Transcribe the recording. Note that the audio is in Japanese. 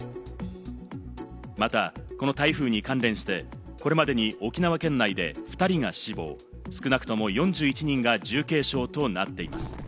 また、この台風に関連して、これまでに沖縄県内で２人が死亡、少なくとも４１人が重軽傷となっています。